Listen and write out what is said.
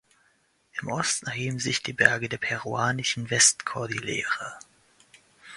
Im Osten erheben sich die Berge der peruanischen Westkordillere.